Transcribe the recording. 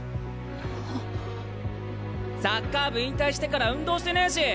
サッカー部引退してから運動してねえし。